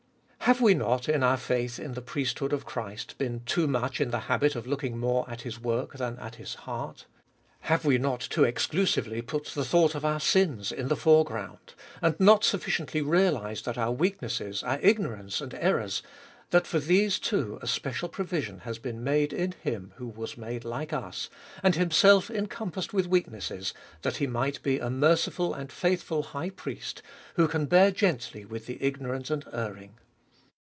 Have we not, in our faith in the priesthood of Christ, been too much in the habit of looking more at His work than at His heart ? Have we not too exclusively put the thought of our sins in the foreground, and not sufficiently realised that our weaknesses, our ignorance and errors — that for these too a special provision has been made in Him who was made like us, and Himself encompassed with weaknesses, that he might be a merciful and faithful High Priest, who can bear gently with the ignorant and erring.